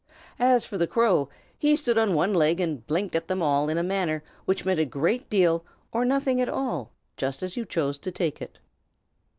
As for the crow, he stood on one leg and blinked at them all in a manner which meant a great deal or nothing at all, just as you chose to take it.